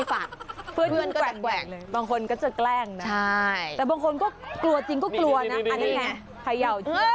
เพื่อนกูแกว้งบางคนก็จะแกล้งนะ